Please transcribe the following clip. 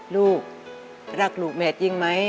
ลูกรักลูกแม่จริงไหม